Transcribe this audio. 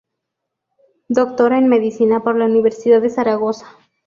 Doctora en medicina por la Universidad de Zaragoza.